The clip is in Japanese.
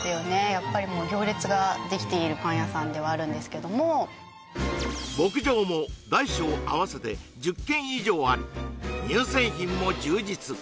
やっぱりもう行列ができているパン屋さんではあるんですけども牧場も大小合わせて１０軒以上あり乳製品も充実